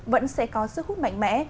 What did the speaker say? vẫn sẽ có sức hút mạnh mẽ